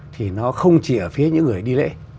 thì nó không chỉ ở phía những người đi lễ